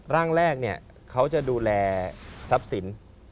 ร่างแรกเขาจะดูแลทรัพย์สิน